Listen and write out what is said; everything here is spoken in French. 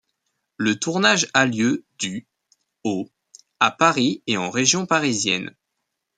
Le tournage a lieu du au à Paris et en région parisienne.